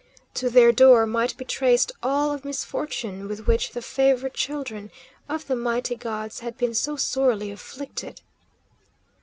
To their door might be traced all of misfortune with which the favourite children of the mighty gods had been so sorely afflicted.